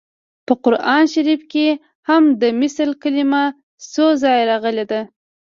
په قران شریف کې هم د مثل کلمه څو ځایه راغلې ده